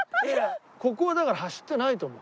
ここはだから走ってないと思う。